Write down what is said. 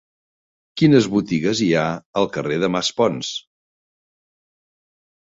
Quines botigues hi ha al carrer de Maspons?